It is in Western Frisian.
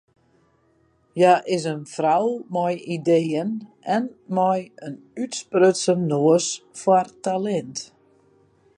Hja is in frou mei ideeën en mei in útsprutsen noas foar talint.